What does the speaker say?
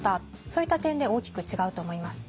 そういった点で大きく違うと思います。